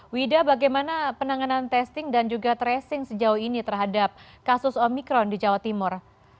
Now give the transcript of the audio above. wida bagaimana penanganan testing dan juga tracing sejauh ini terhadap kasus omikron di jawa timur